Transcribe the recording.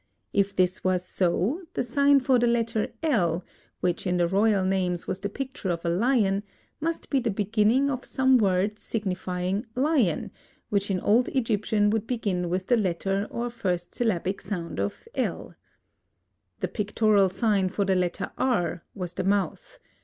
If this was so, the sign for the letter L, which in the royal names was the picture of a lion, must be the beginning of some word signifying "lion," which in old Egyptian would begin with the letter or first syllabic sound of L. The pictorial sign for the letter R was the mouth.